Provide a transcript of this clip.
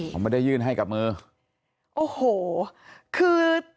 ของไม่ได้ยื่นให้กับมือ